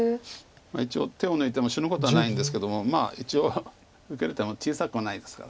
一応手を抜いても死ぬことはないんですけどもまあ一応受ける手も小さくはないですから。